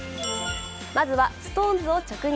まずはＳｉｘＴＯＮＥＳを直撃。